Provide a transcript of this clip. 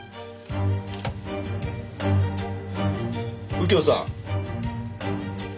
右京さん。